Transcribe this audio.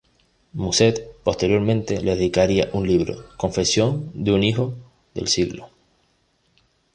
Musset, posteriormente, le dedicaría un libro, "Confesión de un hijo del siglo".